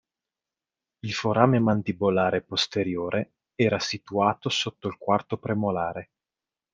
Il forame mandibolare posteriore era situato sotto il quarto premolare.